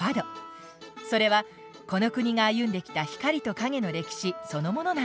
それはこの国が歩んできた光と影の歴史そのものなんです。